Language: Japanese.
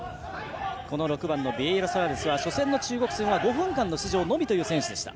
６番、ビエイラソアレスは初戦の中国戦は５分間の出場のみという選手でした。